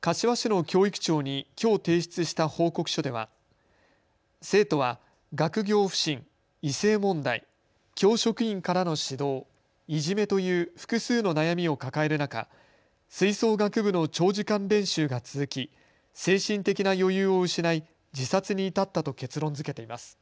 柏市の教育長に、きょう提出した報告書では生徒は学業不振、異性問題、教職員からの指導、いじめという複数の悩みを抱える中、吹奏楽部の長時間練習が続き、精神的な余裕を失い自殺に至ったと結論づけています。